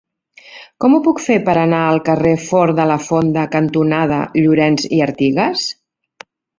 Com ho puc fer per anar al carrer Forn de la Fonda cantonada Llorens i Artigas?